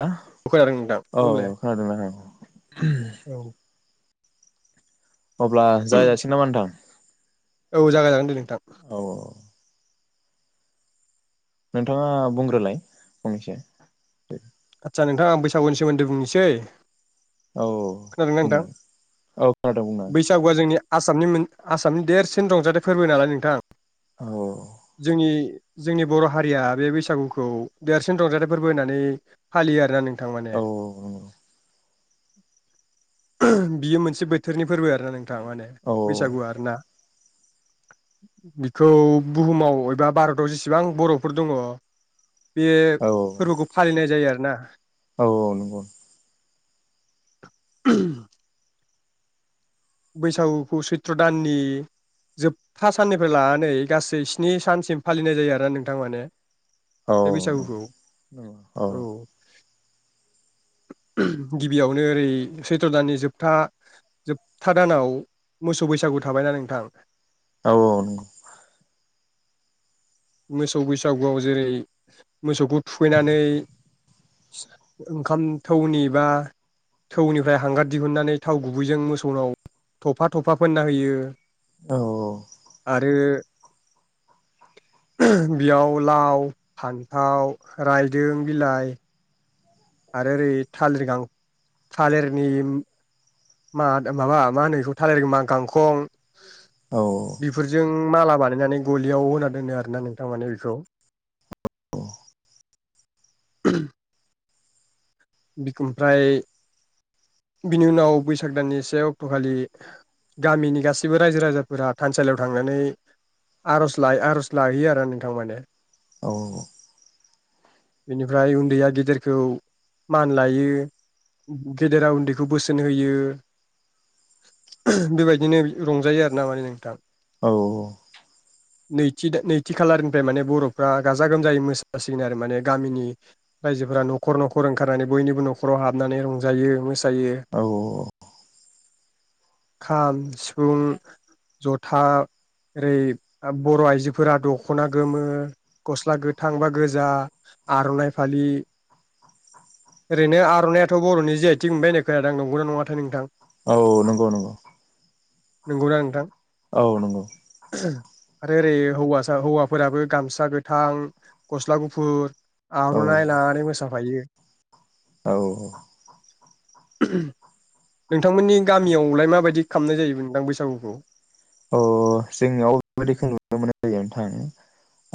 ह खोनादों नोंथां औ बुंलाय खोनादोंना औ अब्ला जायजासिगै नामा नोंथां औ जागाय जागोन दे नोंथां औ औ नोंथाङा बुंग्रोलाय फंनैसो दे आदसा नोंथां आं बैसागुनि सोमोन्दै बुंनोसै औ खोनादोंना बुंनो नोंथां हागोन औ खोनादों बुंनो बैसागुआ जोंनि आसामनि मोन आसामनि देरसिन रंजाथाइ फोरबो नालाय नोंथां हागोन जोंनि जोंनि बर' हारिया बे बैसागुखौ देरसिन रंजाथाइ फोरबो होननानै फालियो आरोना नों औ बियो मोनसे बोथोरनि फोरबो आरोना नों माने बैसागु औ आरो ना बिखौ बुहुमाव एबा बारदाव जिसिबां बर'फोर दङ, बे फोरबोखौ फालिनाय जायो आरोना। औ औ नंगौ। [inaudible] बैसागुखौ सैत्र' दाननि जोब्बथा साननिफ्राय लानानै गासै स्नि सानसिम फालिनाय जायो आरोना नोंथां माने। बे बैसागुखौ औ। गिबियावनो ओरै सैथ्र' दाननि जोबथा जोब्बथा दानाव मोसौ बैसागु थाबायना नोंथां। औ नंगौ। मोसौ बैसागुआव जेरै मोसौखौ थुखैनानै ओंखाम थौनि बा थौनिफ्राय हांगार दिहुननानै थाव गुबैजों मोसौनाव थफा थफा फोनना होयो। आरो बेयाव लाव, फान्थाव, रायदों बिलाइ आरो ओरै थालिर गां थालेरनि मा माबा मा होनो बेखौ थालेर मा गांखं बेफोरजों माला बानायनानै गलियाव होना दोनो आरोना नोंथां माने बेखौ। [inaudible] [inaudible] बिखो ओमफ्राय बिनि उनाव बैसाग दाननि से अक्ट'खालि गामिनि गासिबो रायजो राजाफोरा थानसालियाव थांनानै आर'ज लाय आर'ज लाहैयो आरो नोंथां माने। औ। बेनिफ्राय उन्दैया गेदेरखौ मान लायो, गेदेरा उन्दैखौ बोसोन होयो। बेबायदिनो रंजायो आरोना माने नोंथां। औ। नैथि नैथि खालारनिफ्राय माने बर'फ्रा गाजा गोमजायै मोसासिगोन आरो माने गामिनि रायजोफोरा न'खर न'खर ओंखारनानै बयनिबो न'खराव हाबनानै रंजायो मोस औ औ औ। खाम, सिफुं, जथा ओरै बर' आइजोफोरा दख'ना गोमो, गस्ला गोथां बा गोजा आर'नाइ फालि [inaudible] ओरैनो आर'नायाथ' बर'नि जि आइ थिग मोनबाय होननाय खोनादां, नंगौना नङाथाय नोंथां? औ नंगौ नंगौ। नंगौना नोंथां? औ नंगौ। आरो ओरै हौवासा हौवाफोराबो गामसा गोथां, गस्ला गुफुर औ आर'नाइ लानानै मोसाफायो। औ। [inaudible] नोंथांमोननि गामियावलाय माबायदि खामनाय जायो नोंथां बैसागुखौ? अह जोंनियाव बेबादिखौ नुनो मोननाय जायो नोंथां।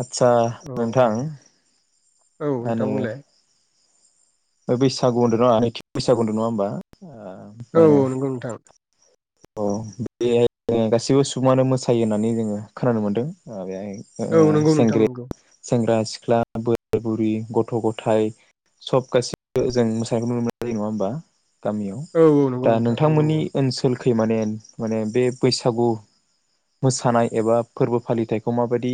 आदसा औ नोंथां औ नोंथां आनो बुंलाय बैसागु होनदो न' नैथि बैसागु होनदो नङा होनोमबा? औ नंगौ नोंथां। अह, बेहाय गासैबो सुबुङानो मोसायो होननानै जोङो खोनानो मोनदों । बेहाय ओ ओ औ नंगौ नोंथां सेंग्रि नंगौ सेंग्रा सिख्ला बोराइ बुरै गथ' गथाय सब गासि जों मोसानायखौ नुनो मोननाय जायो नङा होमबा गामियाव। औ औ नंगौ दा नोंथां नंगौ नोंथांमोननि औ ओनसोल खै माने माने बे बैसागु मोसानाय एबा फोरबो फालिथायखौ माबायदि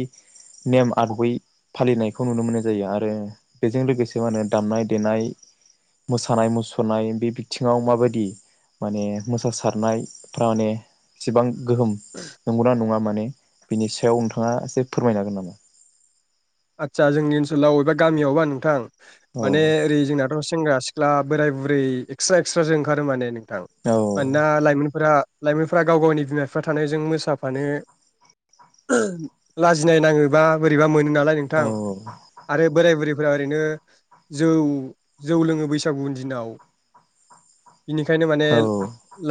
नेम आदबै फालिनायखौ नुनो मोननाय जायो आरो बेजों लोगोसे माने दामनाय देनाय मोसानाय मुसुरनाय बे बिथिङाव माबायदि माने मोसासारनायफ्रा माने एसेबां गोहोम नंगौ ना नङा माने बिनि सायाव नोंथाङा एसे फोरमायनो हागोन नामा? आदसा जोंनि ओनसोलाव एबा गामियावबा नोंथां औ माने ओरै जोंनाथ' सेंग्रा सि ख्ला बोराय बुरै एक्सट्रा एक्सट्रासो ओंखारो माने नोंथां। औ मानोना लाइमोनफोरा लाइमोनफ्रा गाव गावनि बिमा बिफा थानायजों मोसाफानो लाजिनाय नाङोबा बोरैबा मोनो नालाय औ नोंथां आरो बोराय बुरै फोरा ओरैनो जौ जौ लोङो बैसागुनि दिनाव। बिनिखायनो माने औ औ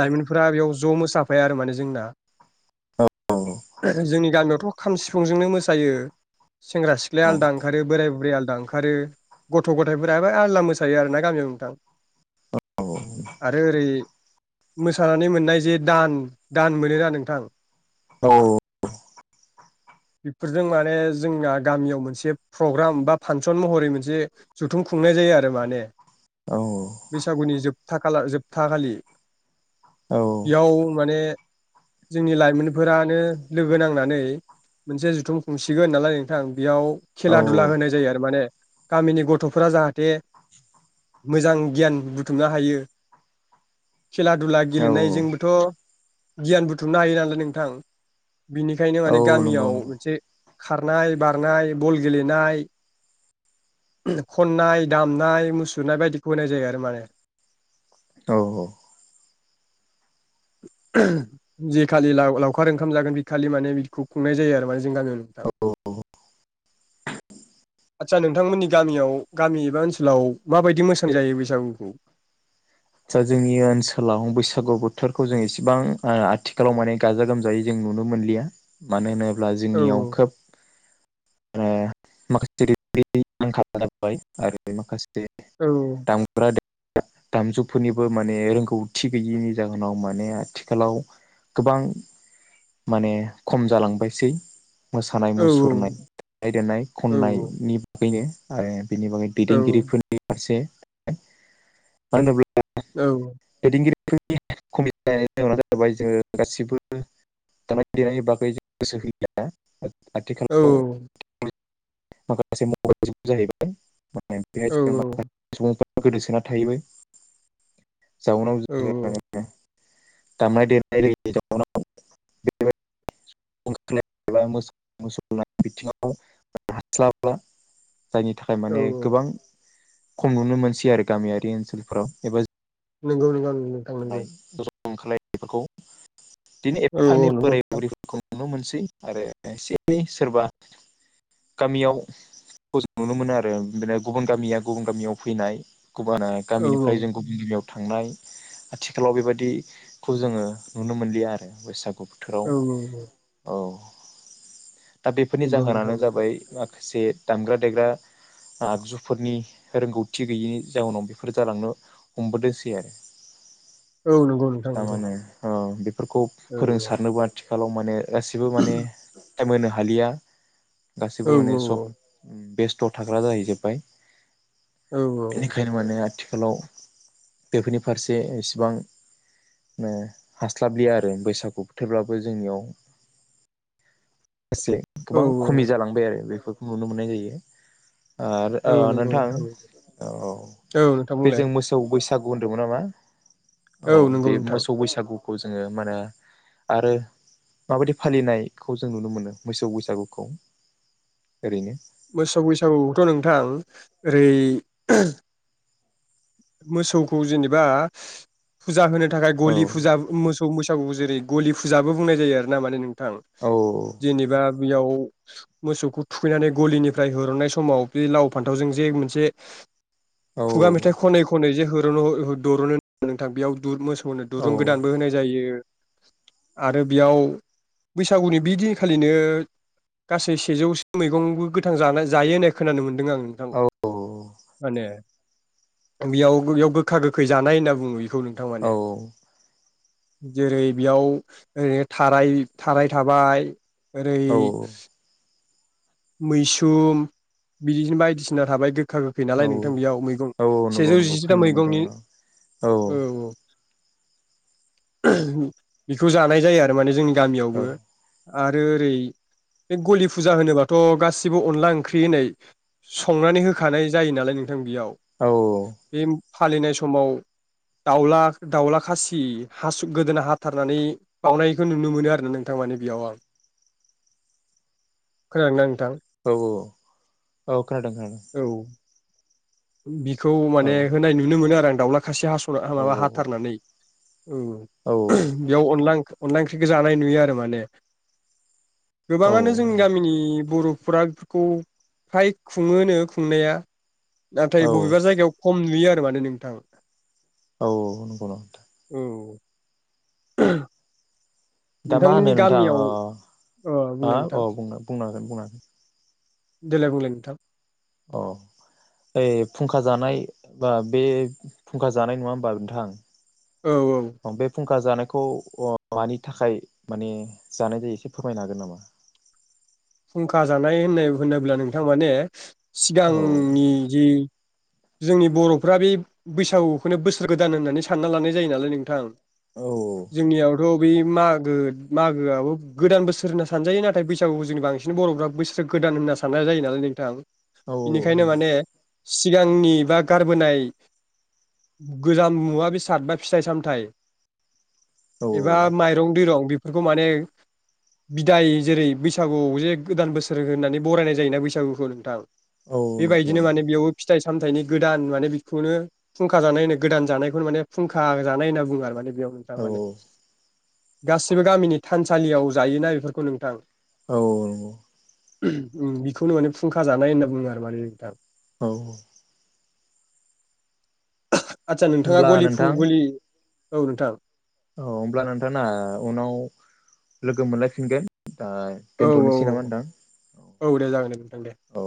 लाइमोनफोरा बेयाव ज' मोसाफाया आरो माने जोंना। जोंनि गामियावथ' खाम सिफुंजोंनो मोसायो सेंग्रा सि ख्लाया आलदा ओंखारो बोराय बुरैया आलदा ओंखारो। गथ' गथायफोराबो आलदा मोसायो आरो ना गामियाव नोंथां। आरो ओरै मोसानानै मोननाय जे दान दान मोनो ना नोंथां। औ। बेफोरजों माने जोंना गामियाव मोन से प्रग्राम बा फांसन महरै मोनसे जुथुम खुंनाय जायो आरो माने बैसागुनि जोबथा खालार जोबथा खालि। बेयाव माने जोंनि लाइमोनफोरानो लोगो नांनानै मोनसे जुथुम खुंसिगोन नालाय नोंथां। बेयाव खेला औ धुला होनाय जायो आरो माने गामिनि गथ'फोरा जाहाथे मोजां गियान बुथुमनो हायो। खेला धुला औ औ गेलेनायजोंबोथ' गियान बुथुमनो हायोनालाय नोंथां। बिनिखायनो औ माने नंगौ गामियाव नंगौ मोनसे खारनाय बारनाय बल गेलेनाय खननाय दामनाय मुसुरनाय बायदिखौ होनाय जायो आरो माने। औ औ। जे खालि लाव लावखार ओंखाम जागोन बे खालि माने बिखौ खुंनाय जायो आरो माने जों गामियाव नोंथां। [inaudible] आदसा नोंथांमोननि गामियाव गामि एबा ओनसोलाव माबायदि मोसानाय जायो बैसागुखौ? [inaudible] दा जोंनि ओनसोलाव बैसागु बोथोरखौ जों इसेबां आ आथिखालाव माने गाजा गोमजायै जों नुनो मोनलिया। मानो होनोब्ला औ जोंनियाव खोब [unintelligible] आरो माखा औ [unintelligible] दामजु फोरनिबो माने रोंगौथि गैयैनि जाहोनाव माने आथिखालाव गोबां माने खम जालांबायसै। मोसानाय औ मुसुरनाय [unintelligible] देनाय औ खननायनि [unintelligible] बेनि बागै औ दैदेनगिरिफोरनि फारसे [unintelligible] औ दैदेनगिरिफोरनि खमिनायनि जाहोना जाबाय जोङो गासिबो दामनाय देनायनि बागै जों गोसो [unintelligible] आथिखालाव माखासे औ [unintelligible] गोदोसोना थाहैबाय जाउनाव औ [unintelligible] दामनाय देनाय [unintelligible] [unintelligible] बिथिङाव। हास्लाबला जायनि थाखाय माने औ गोबां। खम नुनो मोनसै आरो गामियारि ओनसोलफोराव एबा। नंगौ नंगौ नोंथां नंगौ। लायफोरखौ दि औ एफानि औ नंगौ बोराय बुरैफोरखौ। नुनो मोनसै आरो एसे सोरबा। गामियावखौ जों नुनो मोनो आरो बिनो गुबुन गामिया गुबुन गामियाव फैनाय। गुबान औ गामिनिफ्राय जों गुबुन गामियाव थांनाय। आथिखालाव बेबायदिखौ जोङो नुनो मोनलिया आरो बैसाग। बोथोराव औ औ। दा बेफोरनि नंगौ नोंथां जाहोनानो नंगौ जाबाय माखासे दामग्रा देग्रा। आगजुफोरनि रोंगौथि गैयिनि जाउनाव बेफोर जालांनो हमबोदोंसै आरो। औ नंगौ नोंथां नंगौ दामानो औ। फोरखौ औ फोरोंसारनोबो आथिखालाव माने गासिबो माने टाइम होनो हालिया। गासिबो औ माने सब बेस्थ' थाग्रा जाहैजोब्बाय। औ बेनिखायनो माने आथिखालाव बेफोरनि फारसे बिसेबां हास्लाबलिया आरो बैसागु बोथोरब्लाबो जोंनियाव माखासे औ गोबां खमि जालांबाय आरो बेफोरखौ नुनो मोननाय जायो। ओ औ नंगौ नोंथां औ नोंथां बुंलाय बेजों मोसौ बैसाग। बैसागु होनदोंमोन नामा? औ नंगौ बे नोंथां मोसौ बैसागु। खौ जोङो माने आरो। माबायदि फालिनायखौ जों नुनो मोनो मोसौ बैसागुखौ ओरैनो। मोसौ बैसागुखौथ' नोंथां ओरै। मोसौखौ जेनेबा फुजा होनो थाखाय औ गलि फुजा मोसौ। मोसौ मैसागु जेरै गलि फुजाबो बुंनाय जायो आरो ना माने नोंथां औ जेनेबा। बेयाव मोसौखौ थुखैनानै गलिनिफ्राय हननाय समाव बे लाव फान्थावजों जे मोनसे। औ। नै जे होरनो द'रनो नोंथां। बेयाव मोसौनो औ दुरुं गोदानबो होनाय जायो। आरो बेयाव बैसागुनि बि दिनखालिनो। गासै सेजौसो मैगंबो गोथां जानाय जायो होननाय खोनानो मोनदों। दों आं नोंथां औ माने। बेयाव बेयाव गोखा गोखै जानाय होनना बुङो बेखौ नोंथां माने। जेरै बेयाव ओरैनो थाराय थाराय थाबाय। ओरै। औ मैसोम बिदिनो बायदिसिना थाबाय गो। गोखा गोखै नालाय औ नोंथां बेयाव मैगं औ नंगौ सेजौ नंगौ जिसेथा खोनानो मोनदों मैगंनि। औ औ। [unintelligible] बेखौ जानाय जायो आरो माने जोंनि गामियावबो। औ आरो ओरै बे गलि फुजा होनोब्ला। थ' गासिबो अनला ओंख्रि होननै संनानै होखानाय जायो नालाय नों। बेयाव औ बे फालिनाय समाव। दाउला दाउला खासि हासु गोदोना हाथारनानै बावनायखौ नुनो मोनो आरोना नोंथां। मानि बेयाव आं। [inaudible] खोनादों ना नों। औ औ औ खोनादों खोनादों। औ बिखौ माने होनाय नुनो मोनो आरो आं दाावला खासे हास'ना माबा हाथारनानै। उम बेयाव अनला अनला ओंख्रिखौ जानाय नुयो आरो माने। गोबाङानो जोंनि गामिनि बर' फरा [inaudible] फोरखौ फ्राय खुङोनो खुंनाया। औ नाथाय बबेबा जायगायाव खम नुयो आरो माने नोंथां औ नंगौ नोंथां औ दा मा नोंथांमोननि होनो नोंथां गामियाव अ बुंलाय आं अ नोंथां बुंनांगोन बुंनांगोन देलाय बुंलाय नोंथां औ ओइ फुंखा जानाय बा बे फुंखा जानाय नङा होमबा नोंथां औ औ खुंखा जानायखौ अ मानि थाखाय माने जानाय जायो एसे फोरमायनो हागोन नामा [unintelligible] खुंखा जानाय होननाय होनोब्ला नोंथां माने औ सिगांनि जि जोंनि बर'फ्रा बे बैसागुखौनो बोसोर गोदान होननानै सानना लानाय जायो नालाय नोंथां औ जोंनियावथ बै मागो मागोआबो गोदान बोसोर होनना सानजायो नाथाय बैसागुखौ जेनेबा बांसिन बिसोरनि बर'फ्रा बोसोर गोदान होनना साननाय जायो नालाय नोंथां औ -औ बेनिखायनो माने सिगांनि बा गारबोनाय गोजाम मुवा बेसाद बा फिथाइ - सामथाइ औ एबा माइरं दैरं बेफोरखौ माने बिदाय जेरै बैसागुआव जे गोदान बोसोर होननानै बरायनाय जायोना बैसागुखौ नोंथां औ नंगौ बेबायदिनो माने बेयावबो फिथाइ - सामथाइनि गोदान माने बेखौनो खुंखा जानाय होनो गोदान जानायखौनो माने फुंखा जानाय होनना बुङो आरो माने बेयाव नोंथां औ माने गासिबो गामिनि थानसालियाव जायोना बेफोरखौ नोंथां औ बेखौनो माने फुंखा जानाय होनना बुङो आरो माने नोंथां औ -औ आदसा नोंथाङा होमब्ला गलिफुं नोंथां गलि औ नोंथां औ होमब्ला नोंथाङा उनाव लोगो मोनलायफिनगोन आं औ दोनथ'नोसै नामा नोंथां औ औ दे जागोन दे नोंथां दे औ